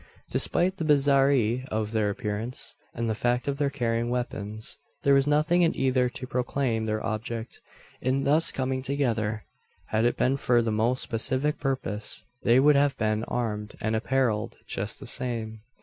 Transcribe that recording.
Despite the bizarrerie of their appearance, and the fact of their carrying weapons, there was nothing in either to proclaim their object in thus coming together. Had it been for the most pacific purpose, they would have been armed and apparelled just the same.